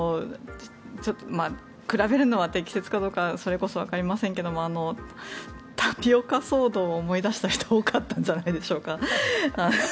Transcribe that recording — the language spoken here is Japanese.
比べるのは適切かどうかそれこそわかりませんけどもタピオカ騒動を思い出した人多かったんじゃないでしょうか。